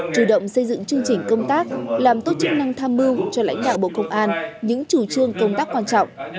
chủ động xây dựng chương trình công tác làm tốt chức năng tham mưu cho lãnh đạo bộ công an những chủ trương công tác quan trọng